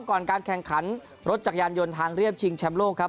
ก่อนการแข่งขันรถจักรยานยนต์ทางเรียบชิงแชมป์โลกครับ